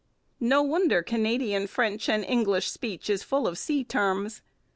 No wonder Canadian French and English speech is full of sea terms.